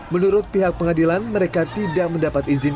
menurut pihak pengadilan mereka tidak mendapat izin